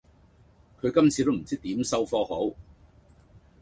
佢今次都唔知點收科好